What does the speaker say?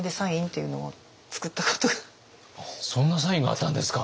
そんなサインがあったんですか！